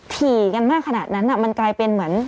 ถี่กันมากขนาดนั้นมันกลายเป็นเหมือน